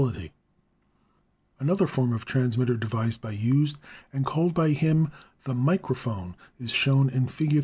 272 ELECTRICITY Another form of transmitter devised by Hughes, and called by him the microphone, is shown in Fig.